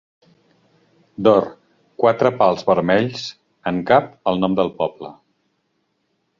D'or, quatre pals vermells; en cap, el nom del poble.